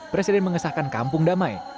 presiden mengesahkan kampung damai